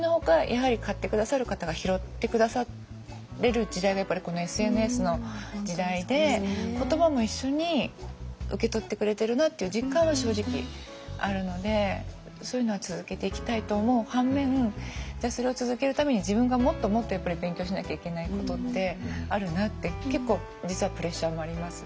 やはり買って下さる方が拾って下される時代がやっぱりこのＳＮＳの時代で言葉も一緒に受け取ってくれてるなっていう実感は正直あるのでそういうのは続けていきたいと思う反面じゃあそれを続けるために自分がもっともっとやっぱり勉強しなきゃいけないことってあるなって結構実はプレッシャーもあります。